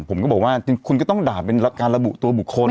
ผมก็บอกว่าจริงคุณก็ต้องด่าเป็นการระบุตัวบุคคล